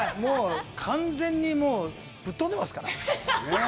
完全にぶっ飛んでますから。